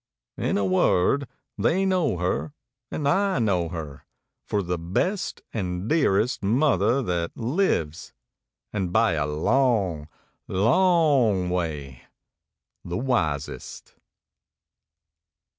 In a word, they know her, and I know her, for the best and dearest mother that lives and by a long, long way the wisest.